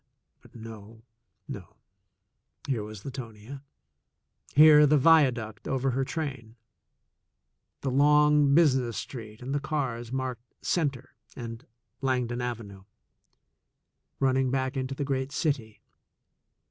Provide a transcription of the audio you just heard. But no, no; here was Latonia — here the viaduct over her train, the long business street and the cars marked ''Center" and "Langdon Avenue" running back into the great city.